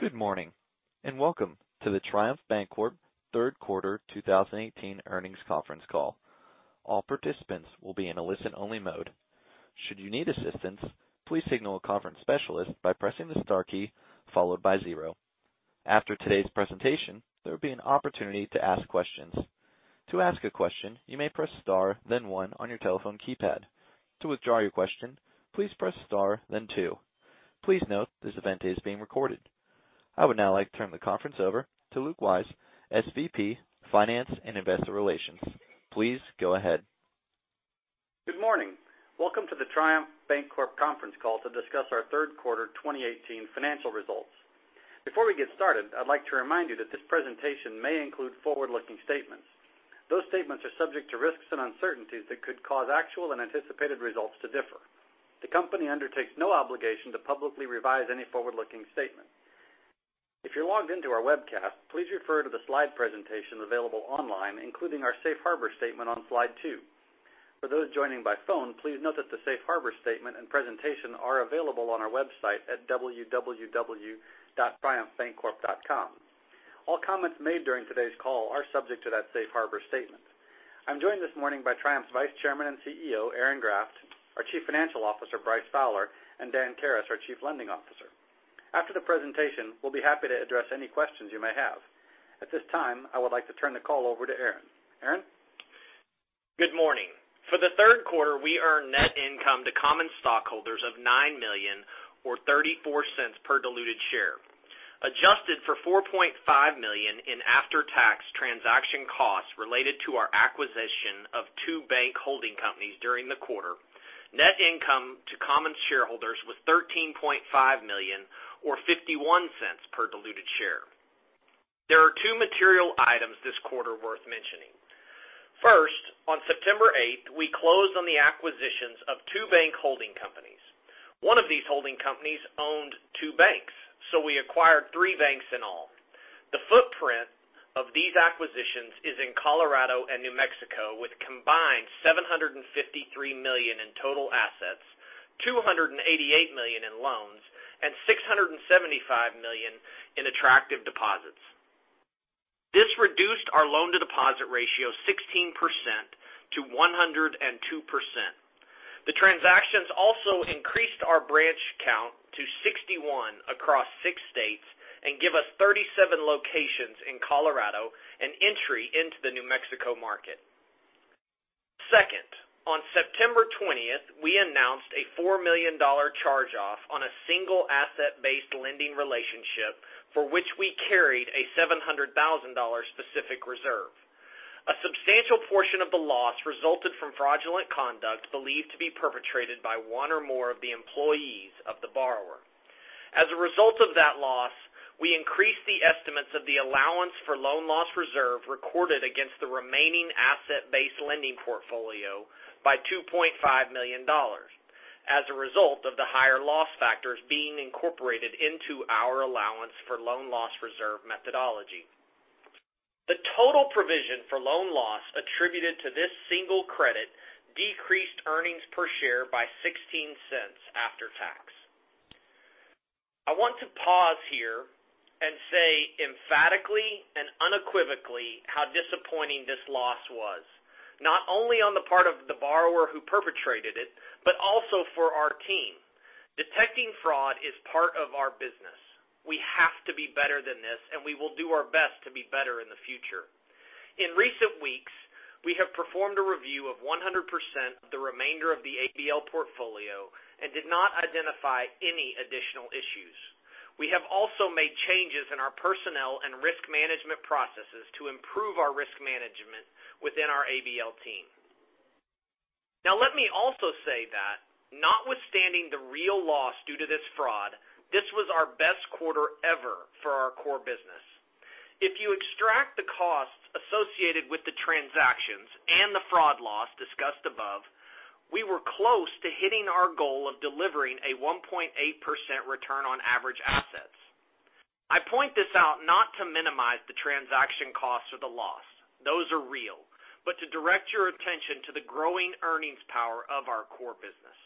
Good morning, and welcome to the Triumph Bancorp third quarter 2018 earnings conference call. All participants will be in a listen-only mode. Should you need assistance, please signal a conference specialist by pressing the star key followed by zero. After today's presentation, there will be an opportunity to ask questions. To ask a question, you may press star then one on your telephone keypad. To withdraw your question, please press star then two. Please note this event is being recorded. I would now like to turn the conference over to Luke Wyse, SVP, Finance and Investor Relations. Please go ahead. Good morning. Welcome to the Triumph Bancorp conference call to discuss our third quarter 2018 financial results. Before we get started, I'd like to remind you that this presentation may include forward-looking statements. Those statements are subject to risks and uncertainties that could cause actual and anticipated results to differ. The company undertakes no obligation to publicly revise any forward-looking statement. If you're logged into our webcast, please refer to the slide presentation available online, including our safe harbor statement on slide two. For those joining by phone, please note that the safe harbor statement and presentation are available on our website at www.triumphbancorp.com. All comments made during today's call are subject to that safe harbor statement. I'm joined this morning by Triumph's Vice Chairman and CEO, Aaron Graft, our Chief Financial Officer, Bryce Fowler, and Dan Karas, our Chief Lending Officer. After the presentation, we'll be happy to address any questions you may have. At this time, I would like to turn the call over to Aaron. Aaron? Good morning. For the third quarter, we earned net income to common stockholders of $9 million or $0.34 per diluted share. Adjusted for $4.5 million in after-tax transaction costs related to our acquisition of two bank holding companies during the quarter, net income to common shareholders was $13.5 million, or $0.51 per diluted share. There are two material items this quarter worth mentioning. First, on September eighth, we closed on the acquisitions of two bank holding companies. One of these holding companies owned two banks, so we acquired three banks in all. The footprint of these acquisitions is in Colorado and New Mexico, with a combined $753 million in total assets, $288 million in loans, and $675 million in attractive deposits. This reduced our loan-to-deposit ratio 16% to 102%. The transactions also increased our branch count to 61 across six states. Give us 37 locations in Colorado and entry into the New Mexico market. Second, on September 20th, we announced a $4 million charge-off on a single Asset-Based Lending relationship for which we carried a $700,000 specific reserve. A substantial portion of the loss resulted from fraudulent conduct believed to be perpetrated by one or more of the employees of the borrower. As a result of that loss, we increased the estimates of the allowance for loan loss reserve recorded against the remaining Asset-Based Lending portfolio by $2.5 million as a result of the higher loss factors being incorporated into our allowance for loan loss reserve methodology. The total provision for loan loss attributed to this single credit decreased earnings per share by $0.16 after tax. I want to pause here and say emphatically and unequivocally how disappointing this loss was, not only on the part of the borrower who perpetrated it, but also for our team. Detecting fraud is part of our business. We have to be better than this, and we will do our best to be better in the future. In recent weeks, we have performed a review of 100% of the remainder of the ABL portfolio and did not identify any additional issues. We have also made changes in our personnel and risk management processes to improve our risk management within our ABL team. Let me also say that notwithstanding the real loss due to this fraud, this was our best quarter ever for our core business. If you extract the costs associated with the transactions and the fraud loss discussed above, we were close to hitting our goal of delivering a 1.8% return on average assets. I point this out not to minimize the transaction costs or the loss, those are real, but to direct your attention to the growing earnings power of our core business.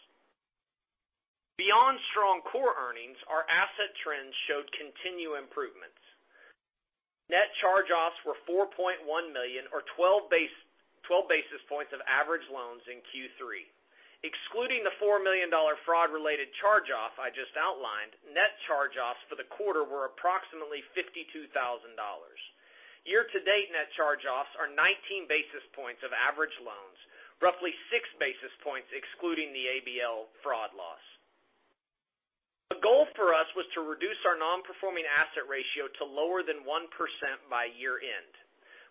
Beyond strong core earnings, our asset trends showed continued improvements. Net charge-offs were $4.1 million, or 12 basis points of average loans in Q3. Excluding the $4 million fraud-related charge-off I just outlined, net charge-offs for the quarter were approximately $52,000. Year-to-date net charge-offs are 19 basis points of average loans, roughly six basis points excluding the ABL fraud loss. The goal for us was to reduce our non-performing asset ratio to lower than 1% by year-end.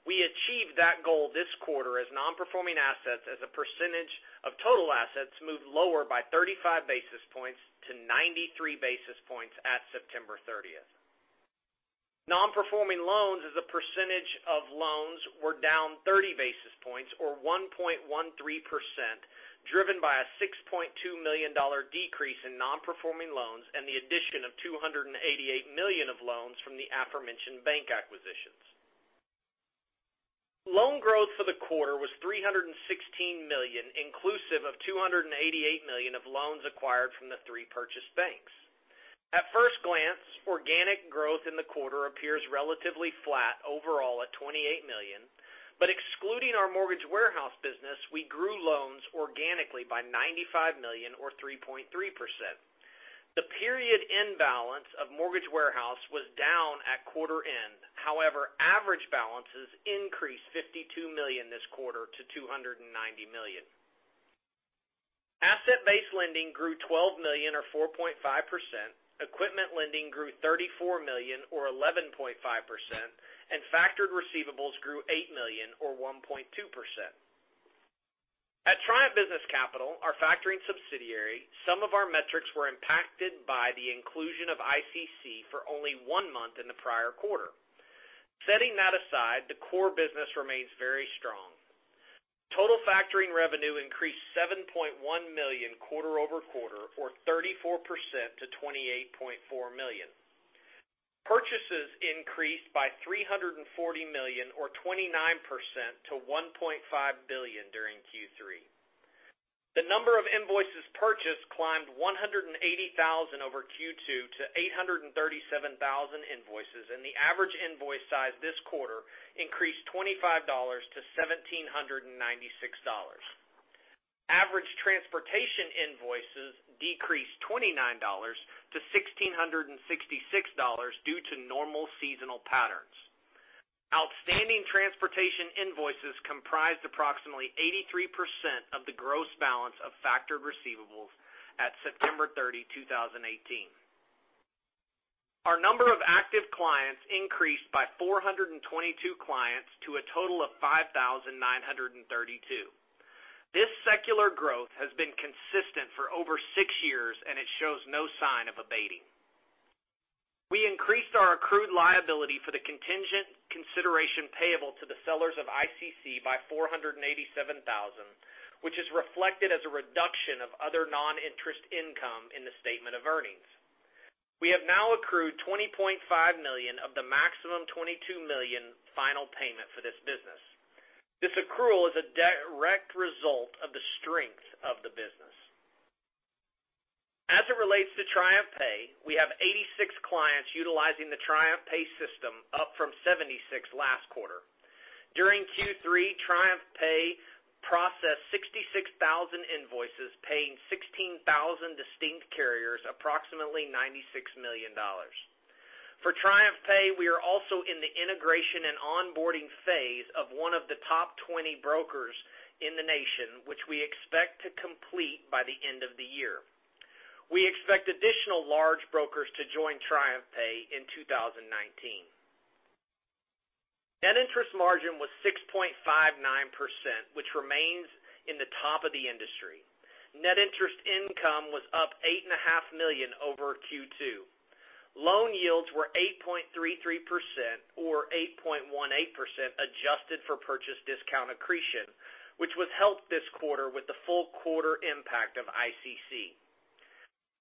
We achieved that goal this quarter as non-performing assets as a percentage of total assets moved lower by 35 basis points to 93 basis points at September 30th. Non-performing loans as a percentage of loans were down 30 basis points or 1.13%, driven by a $6.2 million decrease in non-performing loans and the addition of $288 million of loans from the aforementioned bank acquisition. Loan growth for the quarter was $316 million, inclusive of $288 million of loans acquired from the three purchased banks. Excluding our mortgage warehouse business, we grew loans organically by $95 million or 3.3%. The period end balance of mortgage warehouse was down at quarter end. However, average balances increased $52 million this quarter to $290 million. Asset-Based Lending grew $12 million or 4.5%, equipment lending grew $34 million or 11.5%, and factored receivables grew $8 million or 1.2%. At Triumph Business Capital, our factoring subsidiary, some of our metrics were impacted by the inclusion of ICC for only one month in the prior quarter. Setting that aside, the core business remains very strong. Total factoring revenue increased $7.1 million quarter-over-quarter or 34% to $28.4 million. Purchases increased by $340 million or 29% to $1.5 billion during Q3. The number of invoices purchased climbed 180,000 over Q2 to 837,000 invoices, and the average invoice size this quarter increased $25 to $1,796. Average transportation invoices decreased $29 to $1,666 due to normal seasonal patterns. Outstanding transportation invoices comprised approximately 83% of the gross balance of factored receivables at September 30, 2018. Our number of active clients increased by 422 clients to a total of 5,932. This secular growth has been consistent for over six years, and it shows no sign of abating. We increased our accrued liability for the contingent consideration payable to the sellers of ICC by $487,000, which is reflected as a reduction of other non-interest income in the statement of earnings. We have now accrued $20.5 million of the maximum $22 million final payment for this business. This accrual is a direct result of the strength of the business. As it relates to TriumphPay, we have 86 clients utilizing the TriumphPay system, up from 76 last quarter. During Q3, TriumphPay processed 66,000 invoices, paying 16,000 distinct carriers approximately $96 million. For TriumphPay, we are also in the integration and onboarding phase of one of the top 20 brokers in the nation, which we expect to complete by the end of the year. We expect additional large brokers to join TriumphPay in 2019. Net interest margin was 6.59%, which remains in the top of the industry. Net interest income was up $8.5 million over Q2. Loan yields were 8.33%, or 8.18% adjusted for purchase discount accretion, which was helped this quarter with the full quarter impact of ICC.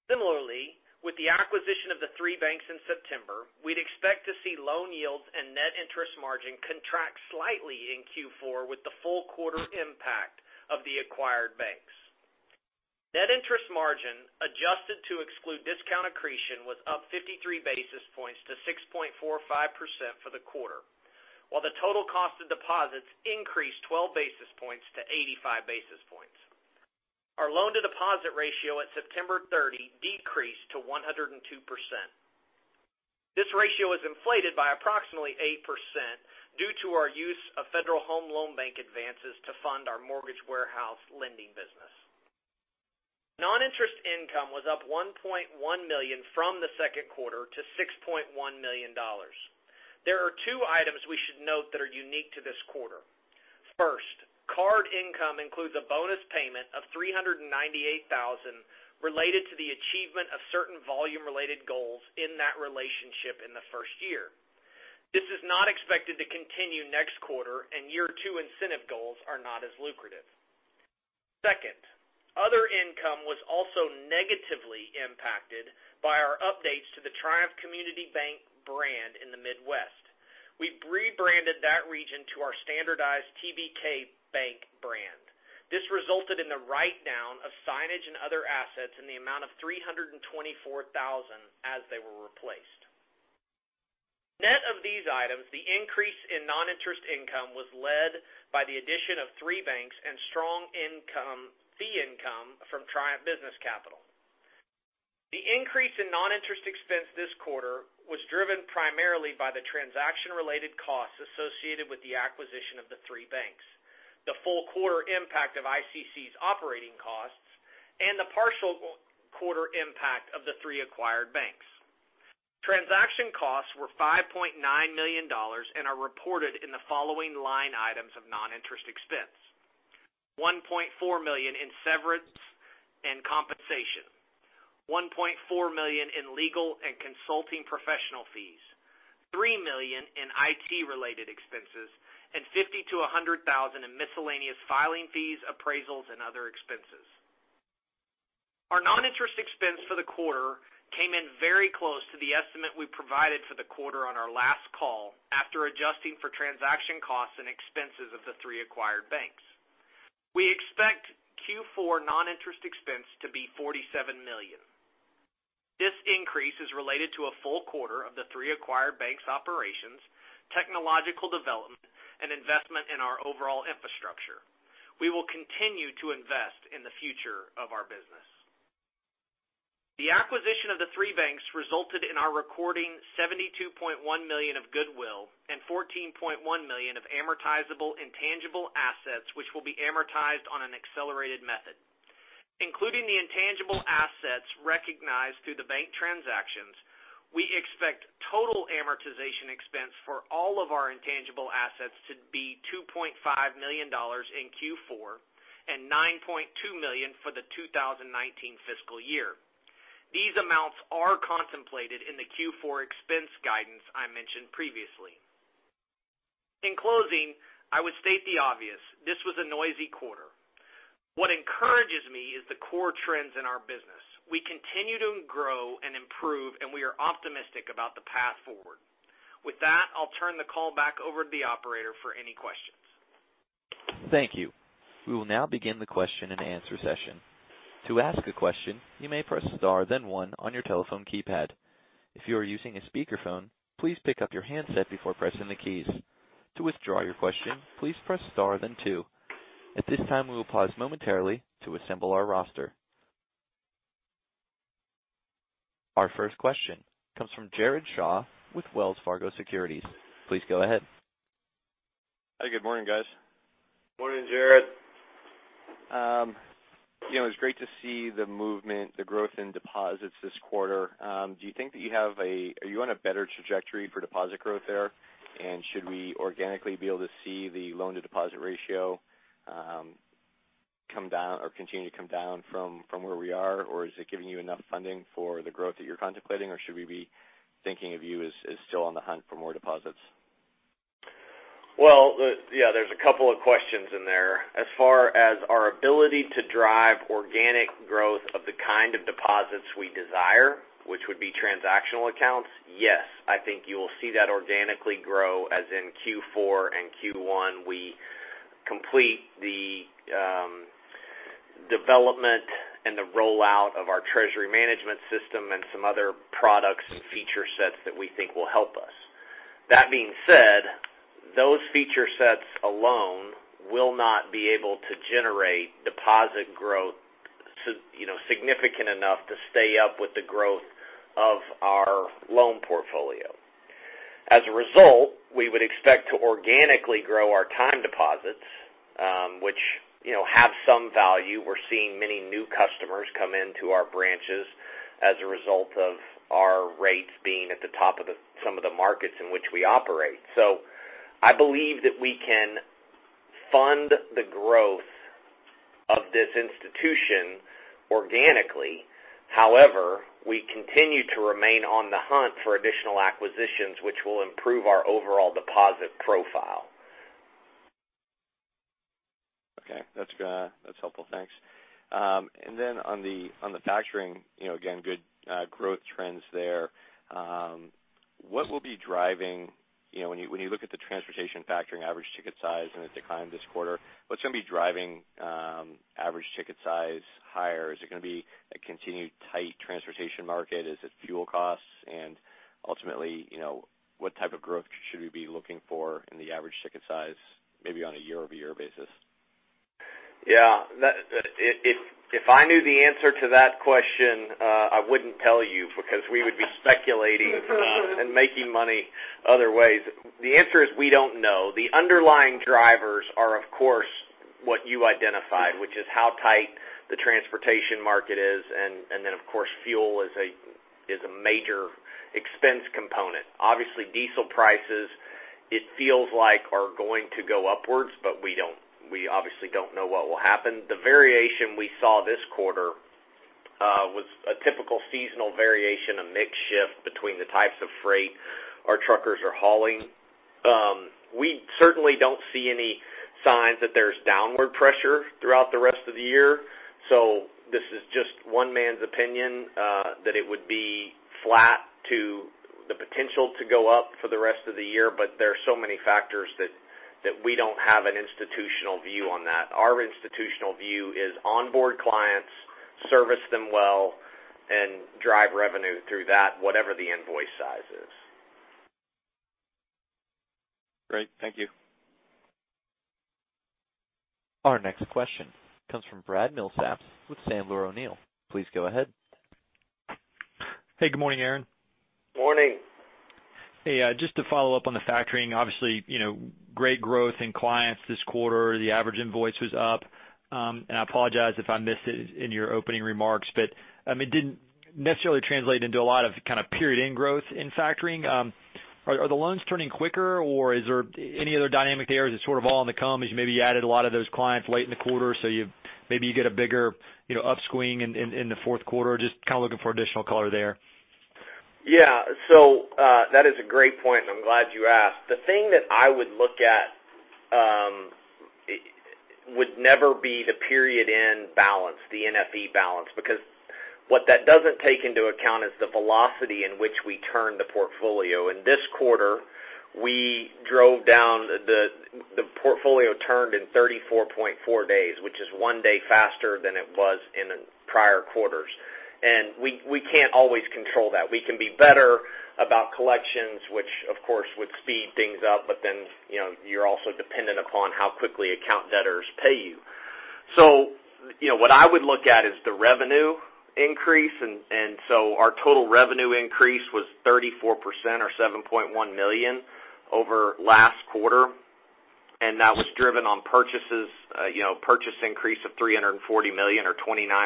Similarly, with the acquisition of the three banks in September, we'd expect to see loan yields and net interest margin contract slightly in Q4 with the full quarter impact of the acquired banks. Net interest margin, adjusted to exclude discount accretion, was up 53 basis points to 6.45% for the quarter, while the total cost of deposits increased 12 basis points to 85 basis points. Our loan-to-deposit ratio at September 30 decreased to 102%. This ratio was inflated by approximately 8% due to our use of Federal Home Loan Bank advances to fund our mortgage warehouse lending business. Non-interest income was up $1.1 million from the second quarter to $6.1 million. There are two items we should note that are unique to this quarter. First, card income includes a bonus payment of $398,000 related to the achievement of certain volume-related goals in that relationship in the first year. This is not expected to continue next quarter, and year two incentive goals are not as lucrative. Second, other income was also negatively impacted by our updates to the Triumph Community Bank brand in the Midwest. We've rebranded that region to our standardized TBK Bank brand. This resulted in the write-down of signage and other assets in the amount of $324,000 as they were replaced. Net of these items, the increase in non-interest income was led by the addition of three banks and strong fee income from Triumph Business Capital. The increase in non-interest expense this quarter was driven primarily by the transaction-related costs associated with the acquisition of the three banks, the full quarter impact of ICC's operating costs, and the partial quarter impact of the three acquired banks. Transaction costs were $5.9 million and are reported in the following line items of non-interest expense: $1.4 million in severance and compensation, $1.4 million in legal and consulting professional fees, $3 million in IT-related expenses, and $50,000-$100,000 in miscellaneous filing fees, appraisals, and other expenses. Our non-interest expense for the quarter came in very close to the estimate we provided for the quarter on our last call after adjusting for transaction costs and expenses of the three acquired banks. We expect Q4 non-interest expense to be $47 million. This increase is related to a full quarter of the three acquired banks' operations, technological development, and investment in our overall infrastructure. We will continue to invest in the future of our business. The acquisition of the three banks resulted in our recording $72.1 million of goodwill and $14.1 million of amortizable intangible assets, which will be amortized on an accelerated method. Including the intangible assets recognized through the bank transactions, we expect total amortization expense for all of our intangible assets to be $2.5 million in Q4 and $9.2 million for the 2019 fiscal year. These amounts are contemplated in the Q4 expense guidance I mentioned previously. In closing, I would state the obvious. This was a noisy quarter. What encourages me is the core trends in our business. We continue to grow and improve, and we are optimistic about the path forward. With that, I'll turn the call back over to the operator for any questions. Thank you. We will now begin the question and answer session. To ask a question, you may press star then one on your telephone keypad. If you are using a speakerphone, please pick up your handset before pressing the keys. To withdraw your question, please press star then two. At this time, we will pause momentarily to assemble our roster. Our first question comes from Jared Shaw with Wells Fargo Securities. Please go ahead. Good morning, guys. Morning, Jared. It was great to see the movement, the growth in deposits this quarter. Are you on a better trajectory for deposit growth there? Should we organically be able to see the loan-to-deposit ratio continue to come down from where we are? Is it giving you enough funding for the growth that you're contemplating, or should we be thinking of you as still on the hunt for more deposits? Well, yeah, there's a couple of questions in there. As far as our ability to drive organic growth of the kind of deposits we desire, which would be transactional accounts, yes, I think you will see that organically grow as in Q4 and Q1, we complete the development and the rollout of our treasury management system and some other products and feature sets that we think will help us. That being said, those feature sets alone will not be able to generate deposit growth significant enough to stay up with the growth of our loan portfolio. As a result, we would expect to organically grow our time deposits, which have some value. We're seeing many new customers come into our branches as a result of our rates being at the top of some of the markets in which we operate. I believe that we can fund the growth of this institution organically. However, we continue to remain on the hunt for additional acquisitions, which will improve our overall deposit profile. Okay. That's helpful. Thanks. Then on the factoring, again, good growth trends there. When you look at the transportation factoring average ticket size and the decline this quarter, what's going to be driving average ticket size higher? Is it going to be a continued tight transportation market? Is it fuel costs? Ultimately, what type of growth should we be looking for in the average ticket size, maybe on a year-over-year basis? Yeah. If I knew the answer to that question, I wouldn't tell you because we would be speculating and making money other ways. The answer is we don't know. The underlying drivers are, of course, what you identified, which is how tight the transportation market is, and then of course, fuel is a major expense component. Obviously, diesel prices, it feels like are going to go upwards, but we obviously don't know what will happen. The variation we saw this quarter was a typical seasonal variation, a mix shift between the types of freight our truckers are hauling. We certainly don't see any signs that there's downward pressure throughout the rest of the year. This is just one man's opinion that it would be flat to the potential to go up for the rest of the year, but there are so many factors that we don't have an institutional view on that. Our institutional view is onboard clients, service them well, and drive revenue through that, whatever the invoice size is. Great. Thank you. Our next question comes from Brad Milsaps with Sandler O'Neill. Please go ahead. Hey, good morning, Aaron. Morning. Hey, just to follow up on the factoring, obviously, great growth in clients this quarter. The average invoice was up. I apologize if I missed it in your opening remarks, but it didn't necessarily translate into a lot of period-end growth in factoring. Are the loans turning quicker, or is there any other dynamic there? Is it sort of all on the come as you maybe added a lot of those clients late in the quarter, so maybe you get a bigger upswing in the fourth quarter? Just kind of looking for additional color there. Yeah. That is a great point, and I'm glad you asked. The thing that I would look at would never be the period end balance, the NFE balance, because what that doesn't take into account is the velocity in which we turn the portfolio. In this quarter, we drove down the portfolio turned in 34.4 days, which is one day faster than it was in the prior quarters. We can't always control that. We can be better about collections, which of course, would speed things up. You're also dependent upon how quickly account debtors pay you. What I would look at is the revenue increase. Our total revenue increase was 34% or $7.1 million over last quarter, and that was driven on purchases, purchase increase of $340 million or 29%.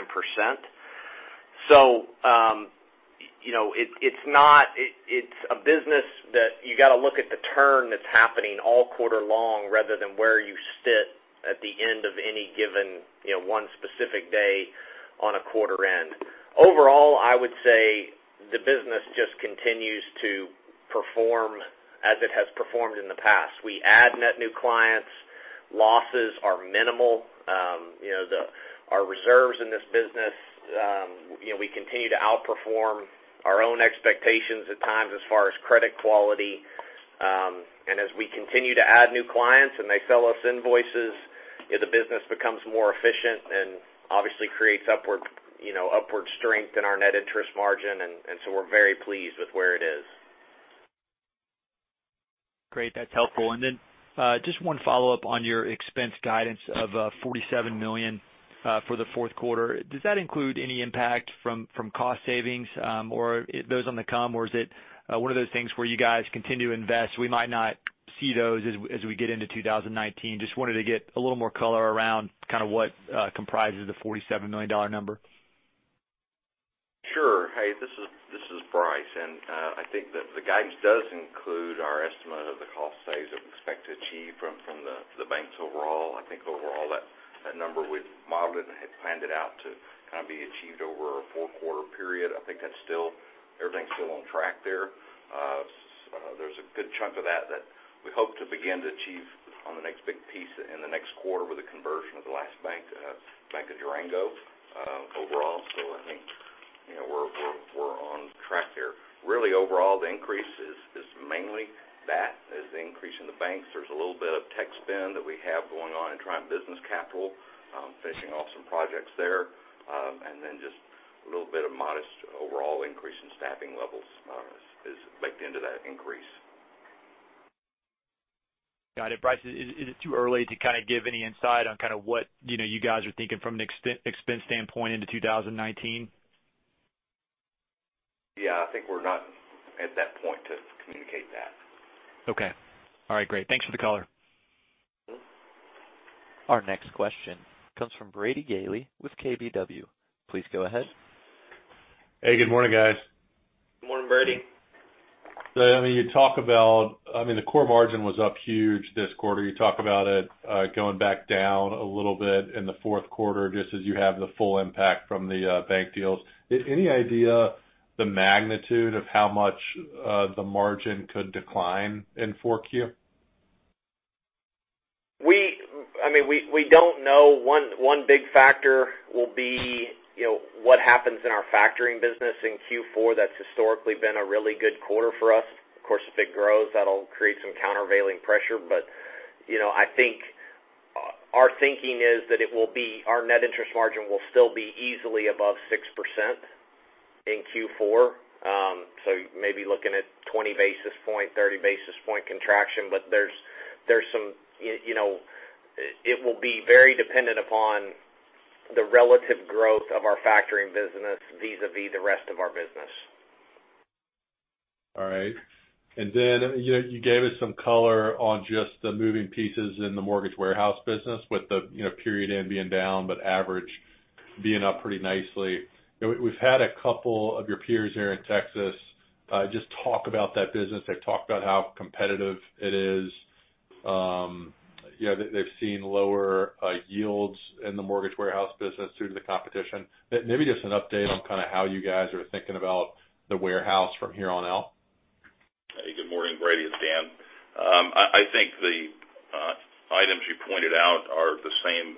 It's a business that you got to look at the turn that's happening all quarter long rather than where you sit at the end of any given one specific day on a quarter end. Overall, I would say the business just continues to perform as it has performed in the past. We add net new clients. Losses are minimal. Our reserves in this business, we continue to outperform our own expectations at times as far as credit quality. As we continue to add new clients and they sell us invoices, the business becomes more efficient and obviously creates upward strength in our net interest margin, and we're very pleased with where it is. Great. That's helpful. Then, just one follow-up on your expense guidance of $47 million for the fourth quarter. Does that include any impact from cost savings, or are those on the come, or is it one of those things where you guys continue to invest, we might not see those as we get into 2019? Just wanted to get a little more color around what comprises the $47 million number. Sure. Hey, this is Bryce. I think that the guidance does include our estimate of the cost saves that we expect to achieve from the banks overall. I think overall, that number we've modeled and had planned out to be achieved over a four-quarter period. I think everything's still on track there. There's a good chunk of that that we hope to begin to achieve on the next big piece in the next quarter with the conversion of the last bank, Bank of Durango. Overall, I think we're on track there. Really, overall, the increase is mainly that, is the increase in the banks. There's a little bit of tech spend that we have going on in Triumph Business Capital, finishing off some projects there. Then just a little bit of modest overall increase in staffing levels is baked into that increase. Got it. Bryce, is it too early to give any insight on what you guys are thinking from an expense standpoint into 2019? Yeah, I think we're not at that point to communicate that. Okay. All right, great. Thanks for the color. Our next question comes from Brady Gailey with KBW. Please go ahead. Hey, good morning, guys. Good morning, Brady. You talk about, the core margin was up huge this quarter. You talk about it going back down a little bit in the fourth quarter, just as you have the full impact from the bank deals. Any idea the magnitude of how much the margin could decline in 4Q? We don't know. One big factor will be what happens in our factoring business in Q4. That's historically been a really good quarter for us. Of course, if it grows, that'll create some countervailing pressure. I think our thinking is that our net interest margin will still be easily above 6% in Q4. Maybe looking at 20 basis point, 30 basis point contraction, but it will be very dependent upon the relative growth of our factoring business vis-à-vis the rest of our business. All right. You gave us some color on just the moving pieces in the mortgage warehouse business with the period end being down, but average being up pretty nicely. We've had a couple of your peers here in Texas just talk about that business. They've talked about how competitive it is. They've seen lower yields in the mortgage warehouse business due to the competition. Maybe just an update on how you guys are thinking about the warehouse from here on out. Hey, good morning, Brady. It's Dan. I think the items you pointed out are the same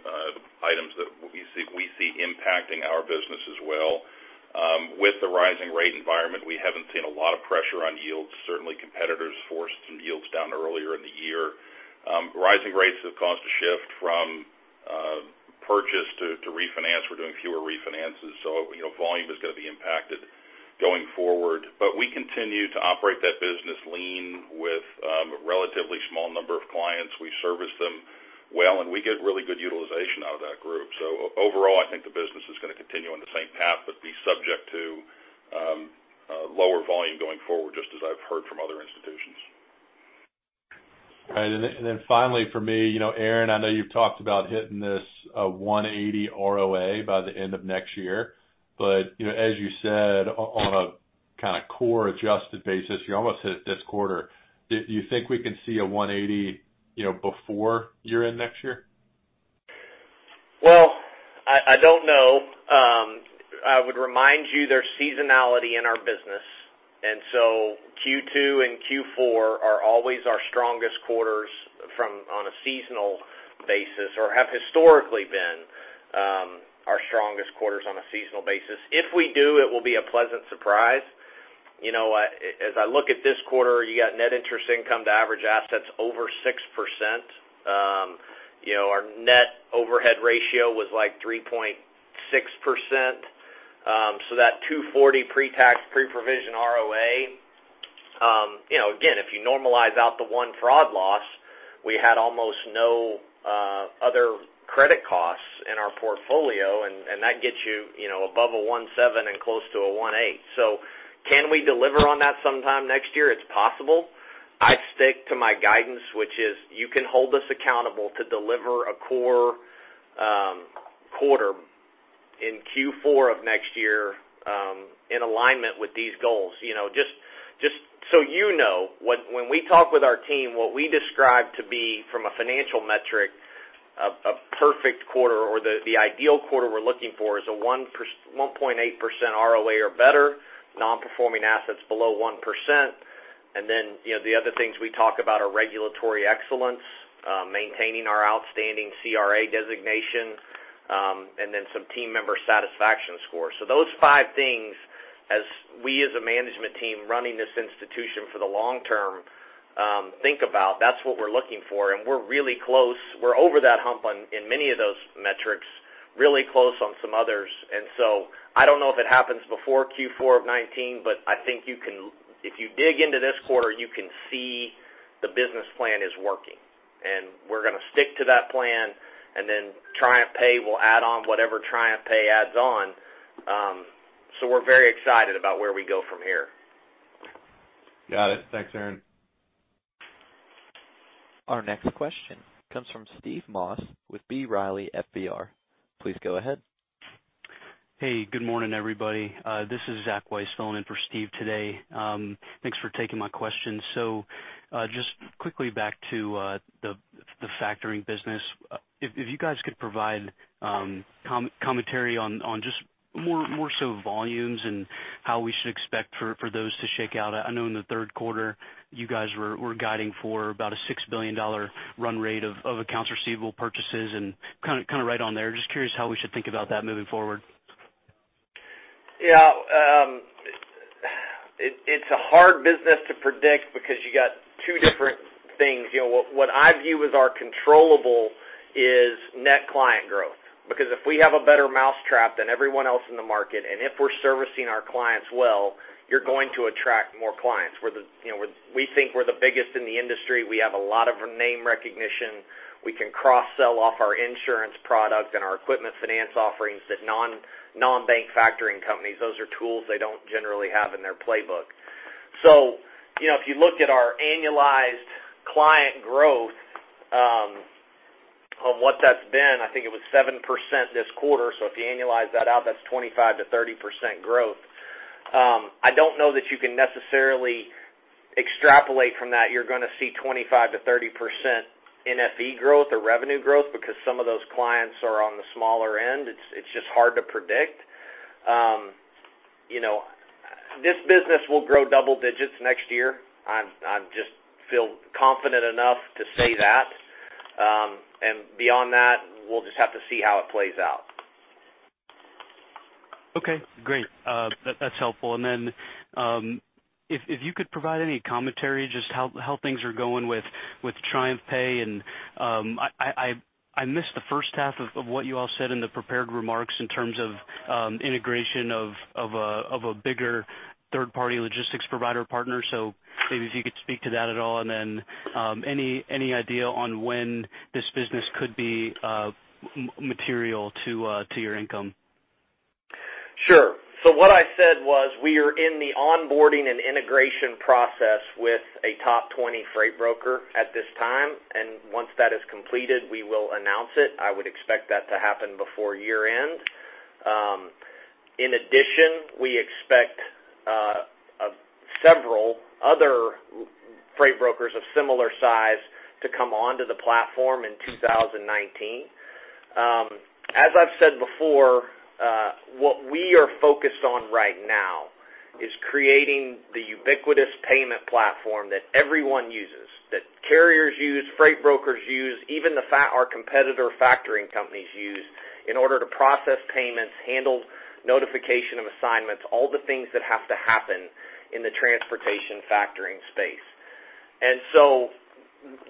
items that we see impacting our business as well. With the rising rate environment, we haven't seen a lot of pressure on yields. Certainly, competitors forced some yields down earlier in the year. Rising rates have caused a shift from purchase to refinance. We're doing fewer refinances, volume is going to be impacted going forward. We continue to operate that business lean with a relatively small number of clients. We service them well, and we get really good utilization out of that group. Overall, I think the business is going to continue on the same path, but be subject to lower volume going forward, just as I've heard from other institutions. All right. Finally for me, Aaron, I know you've talked about hitting this 180 ROA by the end of next year. As you said, on a core adjusted basis, you almost hit it this quarter. Do you think we can see a 180 before year-end next year? Well, I don't know. I would remind you there's seasonality in our business, Q2 and Q4 are always our strongest quarters on a seasonal basis or have historically been our strongest quarters on a seasonal basis. If we do, it will be a pleasant surprise. As I look at this quarter, you got net interest income to average assets over 6%. Our net overhead ratio was like 3.6%. That 240 pre-tax, pre-provision ROA, again, if you normalize out the one fraud loss, we had almost no other credit costs in our portfolio, and that gets you above a 1.7 and close to a 1.8. Can we deliver on that sometime next year? It's possible. I stick to my guidance, which is you can hold us accountable to deliver a core quarter in Q4 of next year in alignment with these goals. Just so you know, when we talk with our team, what we describe to be, from a financial metric, a perfect quarter or the ideal quarter we're looking for is a 1.8% ROA or better, non-performing assets below 1%. The other things we talk about are regulatory excellence, maintaining our outstanding CRA designation, and then some team member satisfaction scores. Those five things as we as a management team running this institution for the long term think about, that's what we're looking for, and we're really close. We're over that hump in many of those metrics, really close on some others. I don't know if it happens before Q4 of 2019, but I think if you dig into this quarter, you can see the business plan is working, and we're going to stick to that plan, and then TriumphPay will add on whatever TriumphPay adds on. We're very excited about where we go from here. Got it. Thanks, Aaron. Our next question comes from Steve Moss with B. Riley FBR. Please go ahead. Good morning, everybody. This is Zach Weiss filling in for Steve today. Thanks for taking my question. Just quickly back to the factoring business. If you guys could provide commentary on just more so volumes and how we should expect for those to shake out. I know in the third quarter, you guys were guiding for about a $6 billion run rate of accounts receivable purchases and kind of right on there. Just curious how we should think about that moving forward. Yeah. It's a hard business to predict because you got two different things. What I view as our controllable is net client growth. If we have a better mousetrap than everyone else in the market, and if we're servicing our clients well, you're going to attract more clients. We think we're the biggest in the industry. We have a lot of name recognition. We can cross-sell off our insurance product and our equipment finance offerings that non-bank factoring companies, those are tools they don't generally have in their playbook. If you look at our annualized client growth, on what that's been, I think it was 7% this quarter. If you annualize that out, that's 25%-30% growth. I don't know that you can necessarily extrapolate from that you're going to see 25%-30% NFE growth or revenue growth because some of those clients are on the smaller end. It's just hard to predict. This business will grow double digits next year. I just feel confident enough to say that. Beyond that, we'll just have to see how it plays out. Okay, great. That's helpful. If you could provide any commentary, just how things are going with TriumphPay and I missed the first half of what you all said in the prepared remarks in terms of integration of a bigger third-party logistics provider partner. Maybe if you could speak to that at all, and then any idea on when this business could be material to your income? Sure. What I said was we are in the onboarding and integration process with a top 20 freight broker at this time, and once that is completed, we will announce it. I would expect that to happen before year-end. In addition, we expect several other freight brokers of similar size to come onto the platform in 2019. As I've said before, what we are focused on right now is creating the ubiquitous payment platform that everyone uses, that carriers use, freight brokers use, even our competitor factoring companies use in order to process payments, handle notification of assignments, all the things that have to happen in the transportation factoring space.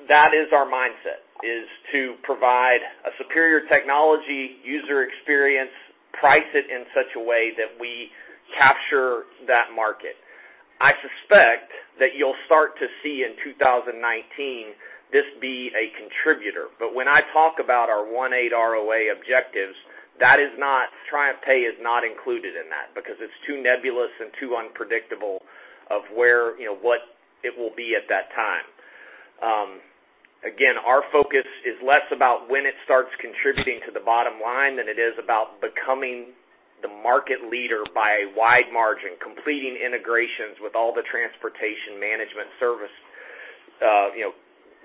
That is our mindset, is to provide a superior technology, user experience, price it in such a way that we capture that market. I suspect that you'll start to see in 2019 this be a contributor. When I talk about our 1.8 ROA objectives, TriumphPay is not included in that because it's too nebulous and too unpredictable of what it will be at that time. Again, our focus is less about when it starts contributing to the bottom line than it is about becoming the market leader by a wide margin, completing integrations with all the transportation management service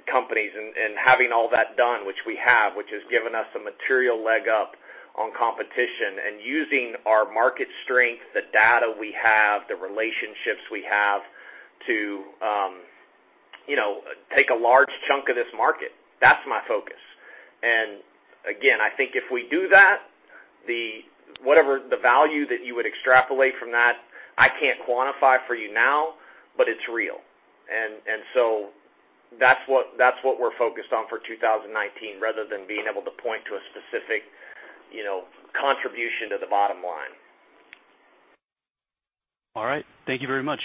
companies and having all that done, which we have, which has given us a material leg up on competition and using our market strength, the data we have, the relationships we have to take a large chunk of this market. That's my focus. Again, I think if we do that, whatever the value that you would extrapolate from that, I can't quantify for you now, but it's real. That's what we're focused on for 2019 rather than being able to point to a specific contribution to the bottom line. All right. Thank you very much.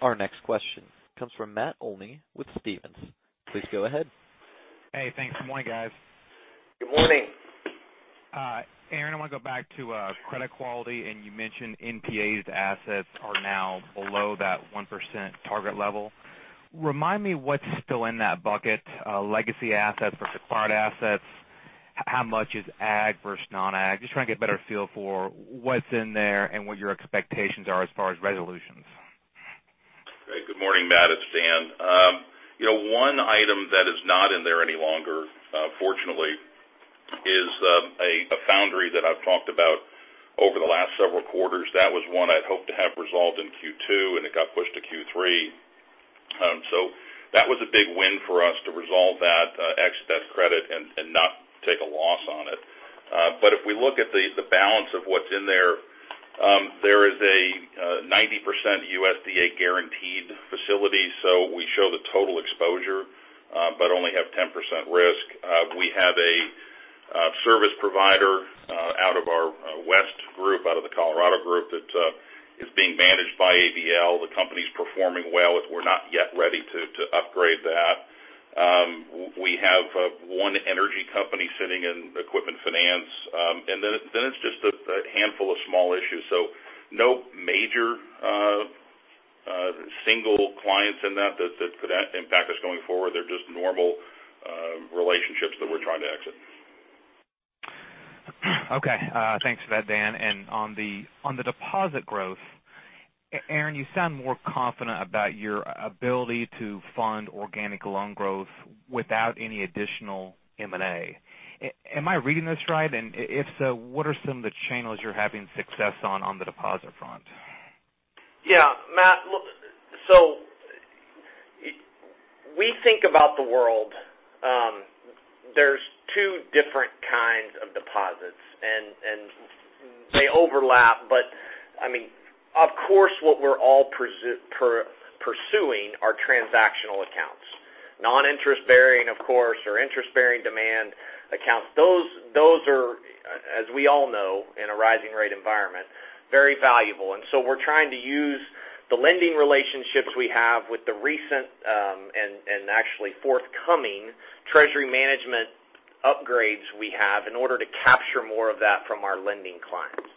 Our next question comes from Matt Olney with Stephens. Please go ahead. Hey, thanks. Good morning, guys. Good morning. Aaron, I want to go back to credit quality. You mentioned NPAs assets are now below that 1% target level. Remind me what's still in that bucket, legacy assets versus card assets. How much is ag versus non-ag? Just trying to get a better feel for what's in there and what your expectations are as far as resolutions. Great. Good morning, Matt. It's Dan. One item that is not in there any longer, fortunately, is a foundry that I've talked about over the last several quarters. That was one I'd hoped to have resolved in Q2, and it got pushed to Q3. That was a big win for us to resolve that excess credit and not take a loss on it. If we look at the balance of what's in there is a 90% USDA-guaranteed facility. We show the total exposure, but only have 10% risk. We have a service provider out of our west group, out of the Colorado group, that is being managed by ABL. The company's performing well. We're not yet ready to upgrade that. We have one energy company sitting in equipment finance. Then it's just a handful of small issues. No major single clients in that could impact us going forward. They're just normal relationships that we're trying to exit. Okay, thanks for that, Dan. On the deposit growth, Aaron, you sound more confident about your ability to fund organic loan growth without any additional M&A. Am I reading this right? If so, what are some of the channels you're having success on the deposit front? Yeah, Matt. We think about the world. There's two different kinds of deposits, and they overlap, but of course, what we're all pursuing are transactional accounts. Non-interest bearing, of course, or interest-bearing demand accounts. Those are, as we all know, in a rising rate environment, very valuable. We're trying to use the lending relationships we have with the recent, and actually forthcoming treasury management upgrades we have in order to capture more of that from our lending clients.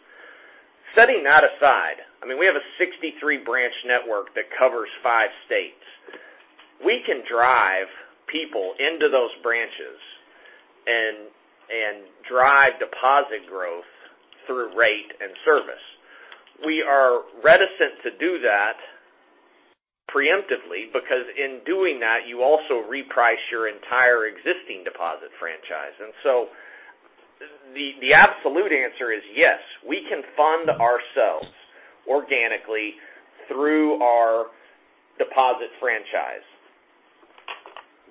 Setting that aside, we have a 63-branch network that covers five states. We can drive people into those branches and drive deposit growth through rate and service. We are reticent to do that preemptively because in doing that, you also reprice your entire existing deposit franchise. The absolute answer is yes, we can fund ourselves organically through our deposit franchise.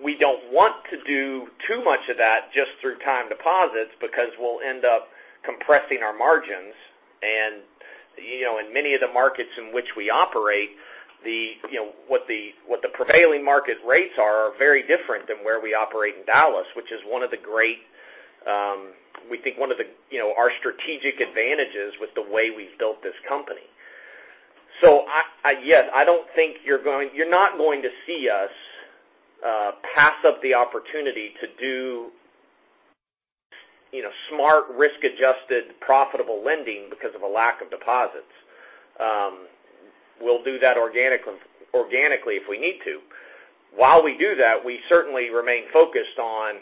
We don't want to do too much of that just through time deposits because we'll end up compressing our margins. In many of the markets in which we operate, what the prevailing market rates are very different than where we operate in Dallas, which is we think one of our strategic advantages with the way we've built this company. Yes, you're not going to see us pass up the opportunity to do smart, risk-adjusted, profitable lending because of a lack of deposits. We'll do that organically if we need to. While we do that, we certainly remain focused on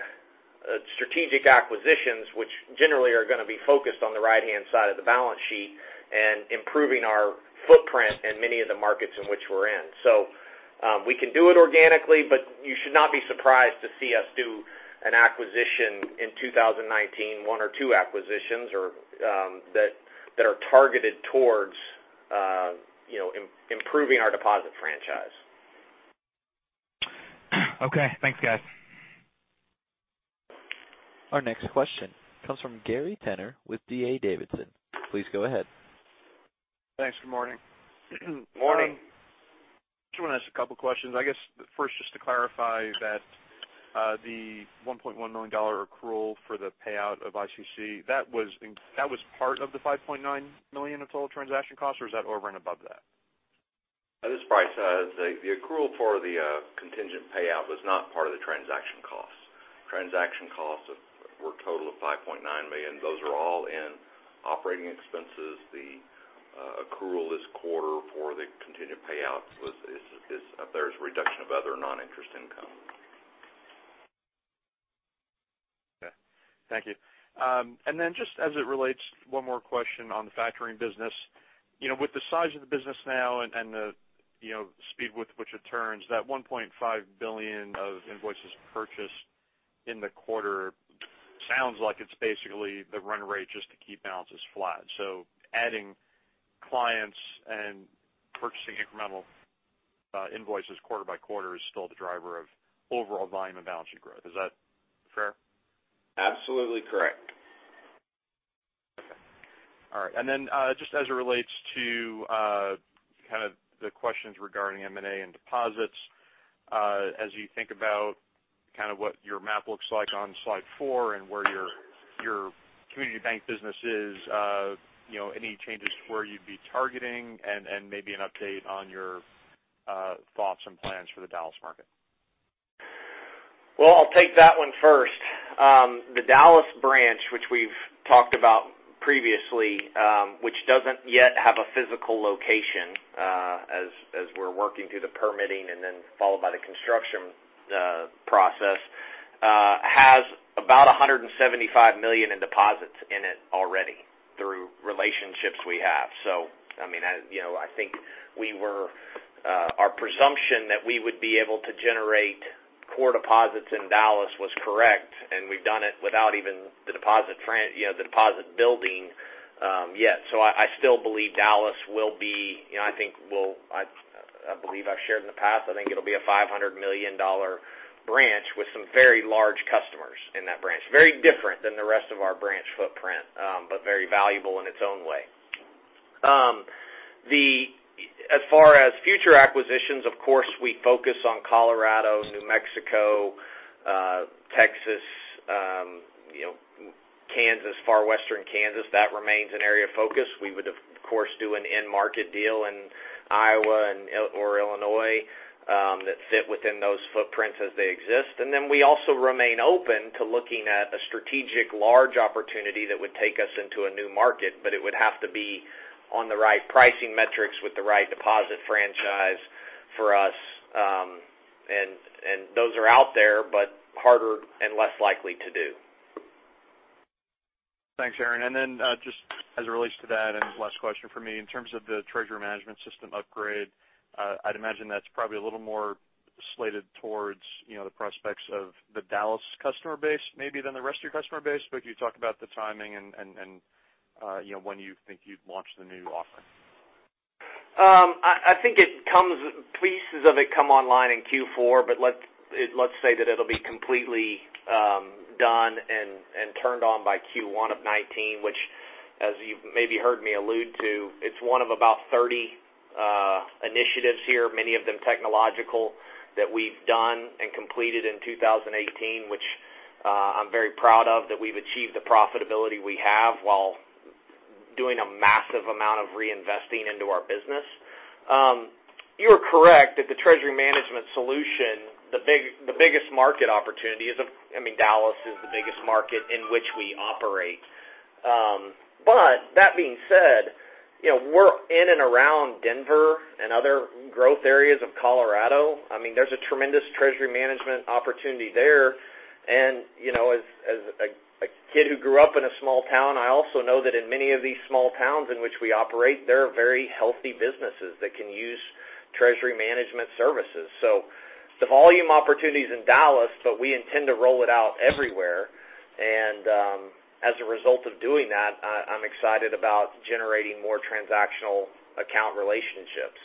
strategic acquisitions, which generally are going to be focused on the right-hand side of the balance sheet and improving our footprint in many of the markets in which we're in. We can do it organically, but you should not be surprised to see us do an acquisition in 2019, one or two acquisitions, that are targeted towards improving our deposit franchise. Okay, thanks guys. Our next question comes from Gary Tenner with D.A. Davidson. Please go ahead. Thanks. Good morning. Morning. Just want to ask a couple questions. I guess first, just to clarify that the $1.1 million accrual for the payout of ICC, that was part of the $5.9 million of total transaction costs or is that over and above that? This is Bryce. The accrual for the contingent payout was not part of the transaction costs. Transaction costs were a total of $5.9 million. Those are all in operating expenses. The accrual this quarter for the contingent payouts is up there as a reduction of other non-interest income. Thank you. Just as it relates, one more question on the factoring business. With the size of the business now and the speed with which it turns, that $1.5 billion of invoices purchased in the quarter sounds like it's basically the run rate just to keep balances flat. Adding clients and purchasing incremental invoices quarter by quarter is still the driver of overall volume and balance sheet growth. Is that fair? Absolutely correct. Okay. All right. Then, just as it relates to the questions regarding M&A and deposits, as you think about what your map looks like on Slide four and where your community bank business is, any changes to where you'd be targeting and maybe an update on your thoughts and plans for the Dallas market? I'll take that one first. The Dallas branch, which we've talked about previously, which doesn't yet have a physical location, as we're working through the permitting and then followed by the construction process, has about $175 million in deposits in it already through relationships we have. I think our presumption that we would be able to generate core deposits in Dallas was correct, and we've done it without even the deposit building yet. I still believe Dallas will be, I believe I've shared in the past, I think it'll be a $500 million branch with some very large customers in that branch. Very different than the rest of our branch footprint, but very valuable in its own way. As far as future acquisitions, of course, we focus on Colorado, New Mexico, Texas, Kansas, far western Kansas. That remains an area of focus. We would, of course, do an in-market deal in Iowa or Illinois that fit within those footprints as they exist. Then we also remain open to looking at a strategic large opportunity that would take us into a new market, but it would have to be on the right pricing metrics with the right deposit franchise for us. Those are out there, but harder and less likely to do. Thanks, Aaron. Then, just as it relates to that, and last question from me, in terms of the treasury management system upgrade, I'd imagine that's probably a little more slated towards the prospects of the Dallas customer base, maybe, than the rest of your customer base. Could you talk about the timing and when you think you'd launch the new offering? I think pieces of it come online in Q4, but let's say that it'll be completely done and turned on by Q1 of 2019, which, as you've maybe heard me allude to, it's one of about 30 initiatives here, many of them technological, that we've done and completed in 2018, which I'm very proud of, that we've achieved the profitability we have while doing a massive amount of reinvesting into our business. You are correct that the treasury management solution, the biggest market opportunity is Dallas is the biggest market in which we operate. That being said, we're in and around Denver and other growth areas of Colorado. There's a tremendous treasury management opportunity there. As a kid who grew up in a small town, I also know that in many of these small towns in which we operate, there are very healthy businesses that can use treasury management services. The volume opportunity's in Dallas, but we intend to roll it out everywhere. As a result of doing that, I'm excited about generating more transactional account relationships.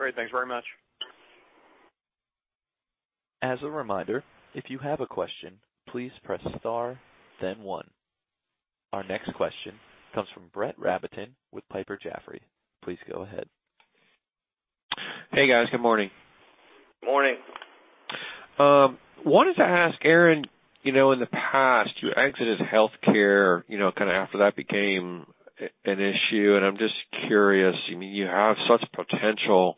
Great. Thanks very much. As a reminder, if you have a question, please press star, then one. Our next question comes from Brett Rabatin with Piper Jaffray. Please go ahead. Hey, guys. Good morning. Morning. Wanted to ask Aaron, in the past, you exited healthcare, kind of after that became an issue. I'm just curious, you have such potential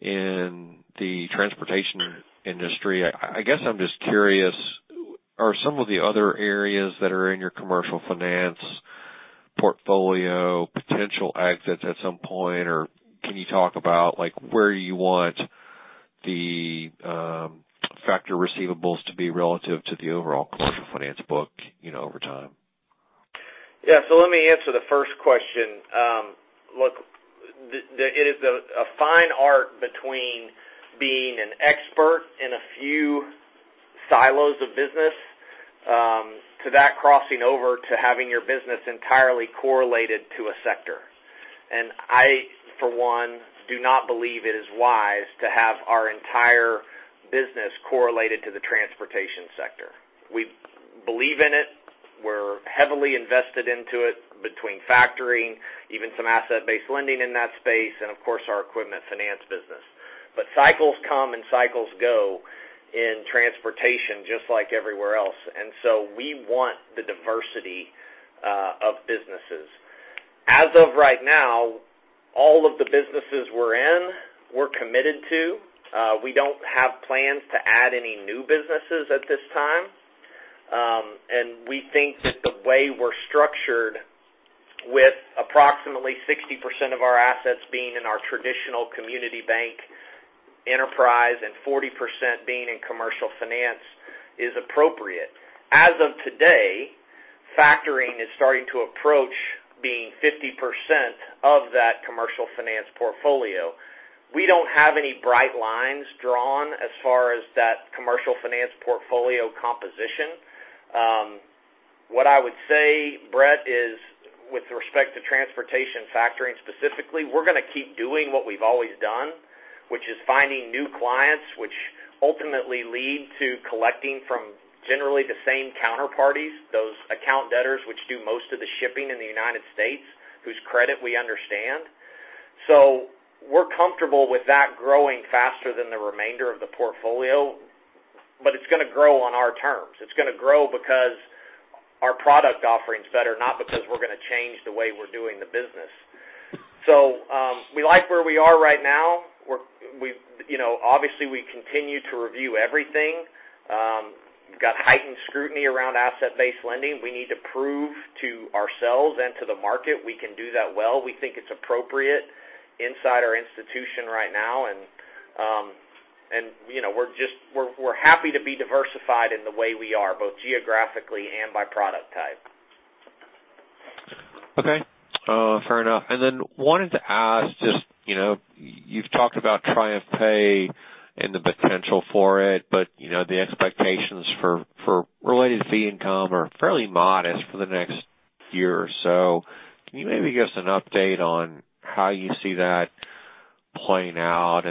in the transportation industry. I guess I'm just curious, are some of the other areas that are in your commercial finance portfolio potential exits at some point? Can you talk about where you want the factor receivables to be relative to the overall commercial finance book over time? Yeah. Let me answer the first question. Look, it is a fine art between being an expert in a few silos of business, to that crossing over to having your business entirely correlated to a sector. I, for one, do not believe it is wise to have our entire business correlated to the transportation sector. We believe in it. We're heavily invested into it, between factoring, even some asset-based lending in that space, and of course, our equipment finance business. Cycles come and cycles go in transportation just like everywhere else. We want the diversity of businesses. As of right now, all of the businesses we're in, we're committed to. We don't have plans to add any new businesses at this time. We think that the way we're structured with approximately 60% of our assets being in our traditional community bank enterprise and 40% being in commercial finance is appropriate. As of today, factoring is starting to approach being 50% of that commercial finance portfolio. We don't have any bright lines drawn as far as that commercial finance portfolio composition. What I would say, Brett, is with respect to transportation factoring specifically, we're going to keep doing what we've always done, which is finding new clients, which ultimately lead to collecting from generally the same counterparties, those account debtors, which do most of the shipping in the United States, whose credit we understand. We're comfortable with that growing faster than the remainder of the portfolio, but it's going to grow on our terms. It's going to grow because our product offering's better, not because we're going to change the way we're doing the business. We like where we are right now. Obviously, we continue to review everything. We've got heightened scrutiny around asset-based lending. We need to prove to ourselves and to the market we can do that well. We think it's appropriate inside our institution right now. We're happy to be diversified in the way we are, both geographically and by product type. Okay. Fair enough. Wanted to ask just, you've talked about TriumphPay and the potential for it, but the expectations for related fee income are fairly modest for the next year or so. Can you maybe give us an update on how you see that playing out?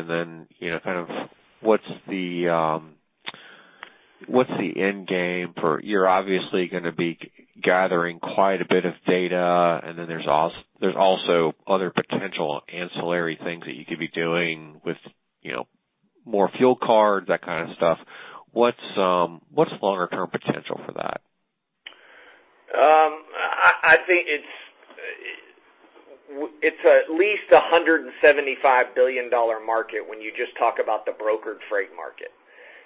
What's the end game for. You're obviously going to be gathering quite a bit of data, and then there's also other potential ancillary things that you could be doing with more fuel cards, that kind of stuff. What's longer term potential for that? I think it's at least a $175 billion market when you just talk about the brokered freight market.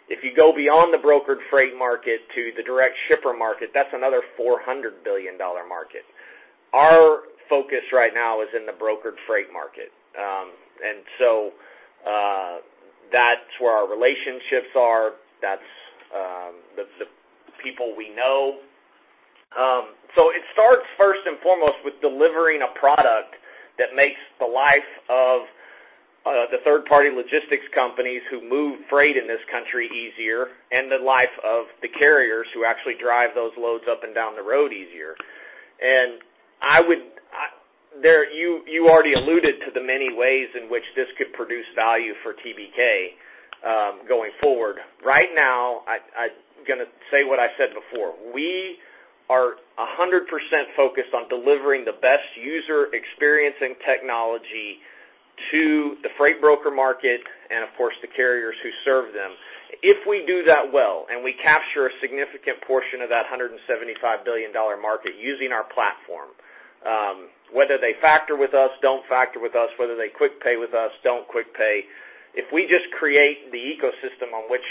If you go beyond the brokered freight market to the direct shipper market, that's another $400 billion market. Our focus right now is in the brokered freight market. That's where our relationships are. That's the people we know. It starts first and foremost with delivering a product that makes the life of the third party logistics companies who move freight in this country easier, and the life of the carriers who actually drive those loads up and down the road easier. You already alluded to the many ways in which this could produce value for TBK going forward. Right now, I'm going to say what I said before, we are 100% focused on delivering the best user experience and technology to the freight broker market, and of course, the carriers who serve them. If we do that well, and we capture a significant portion of that $175 billion market using our platform, whether they factor with us, don't factor with us, whether they quick pay with us, don't quick pay. If we just create the ecosystem on which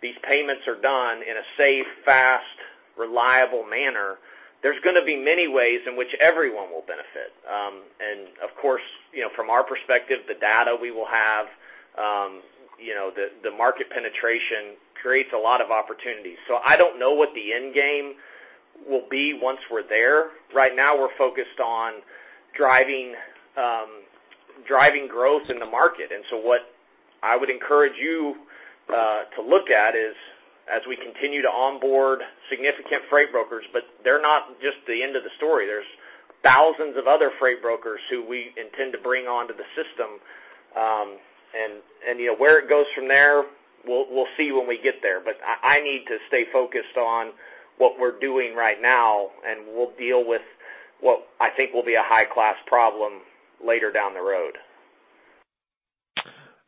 these payments are done in a safe, fast, reliable manner, there's going to be many ways in which everyone will benefit. Of course, from our perspective, the data we will have, the market penetration creates a lot of opportunities. I don't know what the end game will be once we're there. Right now, we're focused on driving growth in the market. What I would encourage you to look at is as we continue to onboard significant freight brokers, but they're not just the end of the story. There's thousands of other freight brokers who we intend to bring onto the system. Where it goes from there, we'll see when we get there. I need to stay focused on what we're doing right now, and we'll deal with what I think will be a high-class problem later down the road.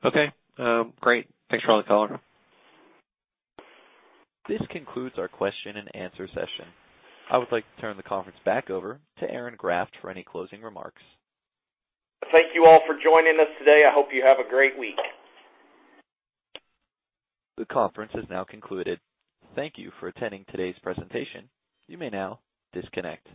Okay. Great. Thanks for all the color. This concludes our question and answer session. I would like to turn the conference back over to Aaron Graft for any closing remarks. Thank you all for joining us today. I hope you have a great week. The conference has now concluded. Thank you for attending today's presentation. You may now disconnect.